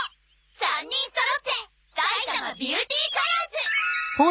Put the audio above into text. ３人そろって埼玉ビューティーカラーズ。